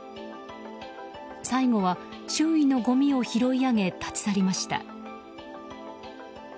最後は、周囲のごみを拾い上げ立ち去りました。